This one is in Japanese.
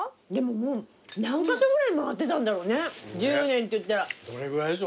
でももう何カ所ぐらい回ってたんだろうね１０年っていったら。